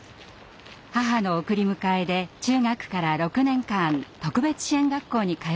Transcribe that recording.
母の送り迎えで中学から６年間特別支援学校に通ってきました。